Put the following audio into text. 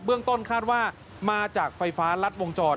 เรื่องต้นคาดว่ามาจากไฟฟ้ารัดวงจร